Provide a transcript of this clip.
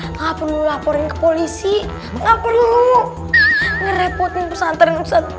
ustadz nggak perlu laporin ke polisi nggak perlu ngerepotin pesantren ustadz